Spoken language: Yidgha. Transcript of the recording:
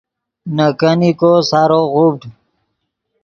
نے کینیکو سارو غوڤڈ